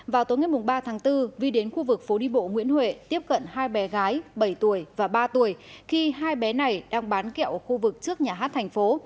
vào tối ngày ba tháng bốn vi đến khu vực phố đi bộ nguyễn huệ tiếp cận hai bé gái bảy tuổi và ba tuổi khi hai bé này đang bán kẹo ở khu vực trước nhà hát thành phố